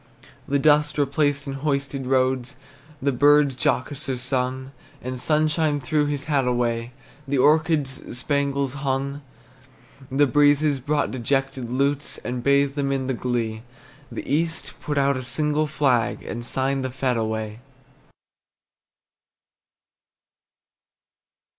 The dust replaced in hoisted roads, The birds jocoser sung; The sunshine threw his hat away, The orchards spangles hung. The breezes brought dejected lutes, And bathed them in the glee; The East put out a single flag, And signed the fete away.